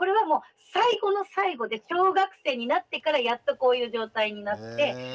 もう最後の最後で小学生になってからやっとこういう状態になって。